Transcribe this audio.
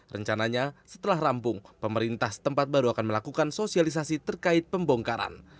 rencananya setelah rampung pemerintah setempat baru akan melakukan sosialisasi terkait pembongkaran